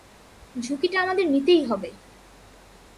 ঝুঁকিটা আমাদের নিতেই হবে!